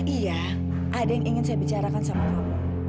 iya ada yang ingin saya bicarakan sama allah